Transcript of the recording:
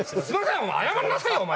すいません！